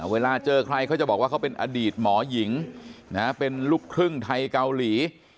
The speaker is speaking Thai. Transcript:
เวลาเจอใครเขาจะบอกว่าเขาเป็นอดีตหมอหญิงเป็นลูกครึ่งไทยเกาหลี